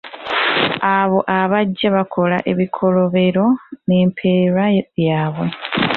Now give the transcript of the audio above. Abo abajja bakola ebikolobero n’empeera yaabwe